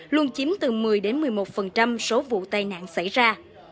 luôn chiếm từ một mươi một mươi một số vụ tai nạn xảy ra